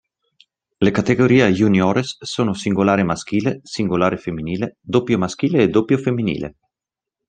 Le categorie juniores sono: singolare maschile, singolare femminile, doppio maschile e doppio femminile.